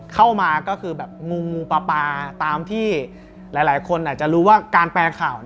เข้ามาก็คือมูภาพตามที่หลายคนอาจรู้ว่าการเปลี่ยนข่าว